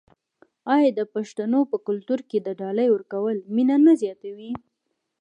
آیا د پښتنو په کلتور کې د ډالۍ ورکول مینه نه زیاتوي؟